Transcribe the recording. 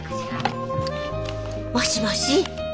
もしもし。